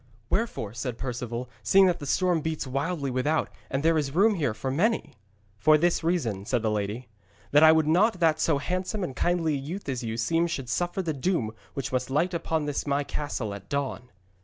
'Wherefore,' said Perceval, 'seeing that the storm beats wildly without and there is room here for many?' 'For this reason,' said the lady, 'that I would not that so handsome and kindly a youth as you seem should suffer the doom which must light upon this my castle at dawn.'